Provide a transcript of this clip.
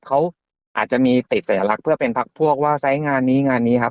เขาอาจจะมีติดสัญลักษณ์เพื่อเป็นพักพวกว่าไซส์งานนี้งานนี้ครับ